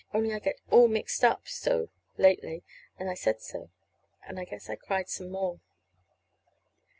Only I get all mixed up so, lately, and I said so, and I guess I cried some more.